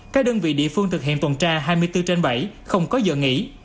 các đơn vị địa phương thực hiện tuần tra hai mươi bốn trên bảy không có giờ nghỉ